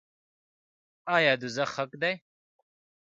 آیا دوزخ حق دی؟